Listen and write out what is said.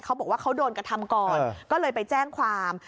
เขาบอกว่าเขาโดนกระทำก่อนก็เลยไปแจ้งความ